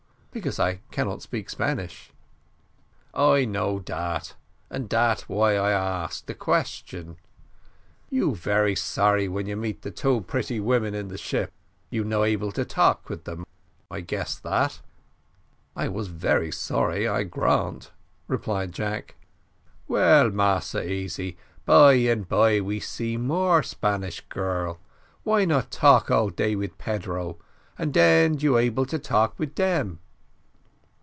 "Because I cannot speak Spanish." "I know dat, and dat why I ask de question. You very sorry when you meet the two pretty women in the ship, you not able to talk with them I guess that." "I was very sorry, I grant," replied Jack. "Well, Massa Easy, by and by we see more Spanish girl. Why not talk all day with Pedro, and den you able to talk with dem."